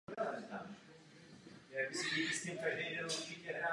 Ke vchodu vedou schody.